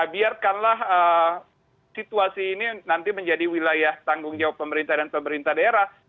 biarkanlah situasi ini nanti menjadi wilayah tanggung jawab pemerintah dan pemerintah daerah